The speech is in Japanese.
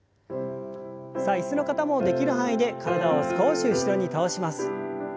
さあ椅子の方もできる範囲で体を少し後ろに倒します。